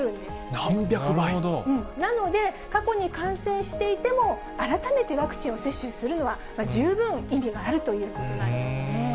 何百倍？なので、過去に感染していても、改めてワクチンを接種するのは、十分意味があるということなんですね。